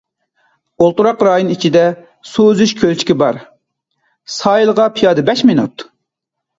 ئولتۇراق رايون ئىچىدە سۇ ئۈزۈش كۆلچىكى بار، ساھىلغا پىيادە بەش مىنۇت.